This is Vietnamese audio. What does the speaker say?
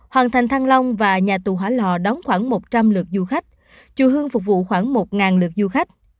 hoàng thành thăng long và nhà tù hỏa lò đón khoảng một trăm linh lượt du khách chùa hương phục vụ khoảng một lượt du khách